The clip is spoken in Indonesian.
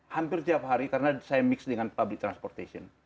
hampir tiap hari karena saya mix dengan public transportation